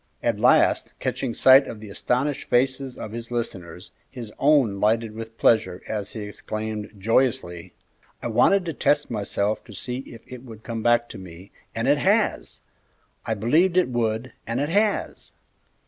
At last, catching sight of the astonished faces of his listeners, his own lighted with pleasure, as he exclaimed, joyously, "I wanted to test myself and see if it would come back to me, and it has! I believed it would, and it has!"